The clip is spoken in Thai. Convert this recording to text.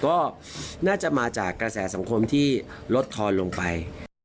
ก็น่าจะมาจากกระแสสังคมที่ลดทอนลงไป